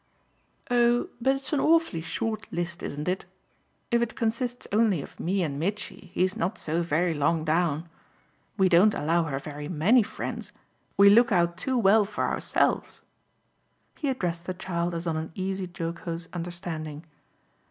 "Oh but it's an awfully short list, isn't it? If it consists only of me and Mitchy he's not so very low down. We don't allow her very MANY friends; we look out too well for ourselves." He addressed the child as on an easy jocose understanding.